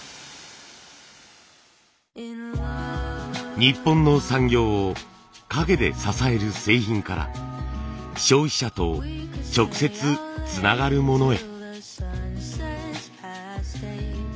日本の産業を陰で支える製品から消費者と直接つながるものへ。